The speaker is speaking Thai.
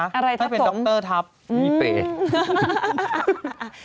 อะไรทับถมถ้าเป็นดรทับมีเป๊ะ